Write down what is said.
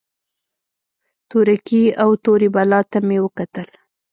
تورکي او تورې بلا ته مې وکتل.